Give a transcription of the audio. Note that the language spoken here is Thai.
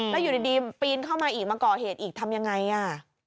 แล้วอยู่ดีปีนเข้ามาอีกมาก่อเหตุอีกทำยังไงอ่ะ